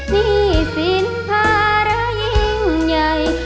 ที่ศิลปะระยิ่งใหญ่